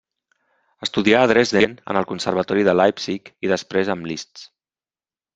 Estudià a Dresden, en el Conservatori de Leipzig i després amb Liszt.